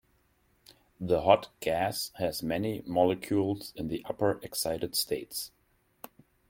The hot gas has many molecules in the upper excited states.